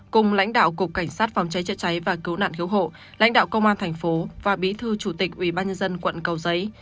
cùng lãnh đạo cục cảnh sát phòng cháy chữa cháy và cứu nạn cứu hộ lãnh đạo công an thành phố và bí thư chủ tịch ubnd quận cầu giấy